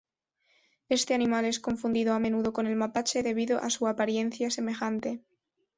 Este animal es confundido a menudo con el mapache debido a su apariencia semejante.